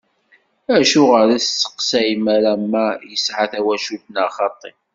Acuɣer ur testeqsayem ara ma yesɛa tawacult neɣ xaṭi?